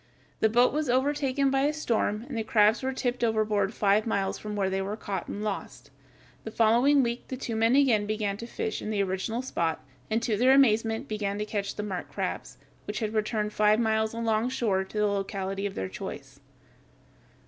The boat was overtaken by a storm and the crabs were tipped overboard five miles from where they were caught and lost. The following week the two men again began to fish in the original spot, and to their amazement began to catch the marked crabs, which had returned five miles alongshore to the locality of their choice.